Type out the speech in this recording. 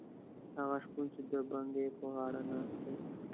هغه شپون چې د بنګي پر غاړه ناست دی.